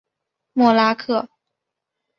默拉克。